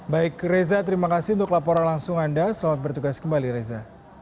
baik reza terima kasih untuk laporan langsung anda selamat bertugas kembali reza